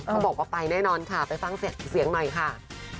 เขาบอกว่าไปแน่นอนค่ะไปฟังเสียงหน่อยค่ะ